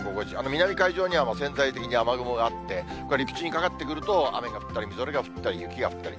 南海上には潜在的には雨雲があって、陸地にかかってくると雨が降ったり、みぞれが降ったり、雪が降ったりと。